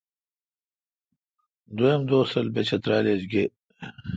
دوئم دوس رل بہ چترال ایچ گے۔